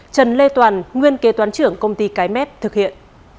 trần lê toàn nguyên kế toán trưởng công ty cái mép thực hiện